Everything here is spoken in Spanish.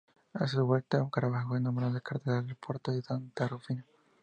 A su vuelta, Carvajal fue nombrado Cardenal de Porto y de Santa Rufina.